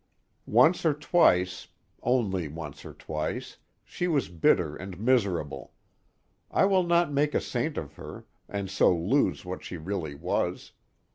Once or twice only once or twice she was bitter and miserable. I will not make a saint of her, and so lose what she really was.